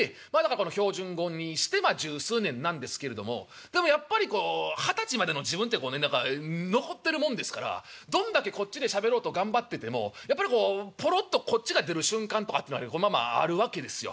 この標準語にして十数年なんですけれどもでもやっぱりこう二十歳までの自分って何か残ってるもんですからどんだけこっちでしゃべろうと頑張っててもやっぱりこうポロッとこっちが出る瞬間とかってのはまあまああるわけですよ。